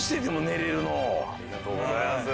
ありがとうございます。